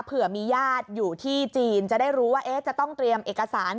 เผื่อมีญาติอยู่ที่จีนจะได้รู้ว่าจะต้องเตรียมเอกสาร